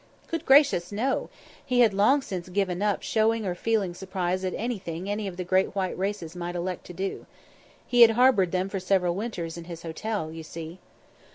Good gracious! no. He had long since given up showing or feeling surprise at anything any of the great white races might elect to do. He had harboured them for several winters in his hotel, you see.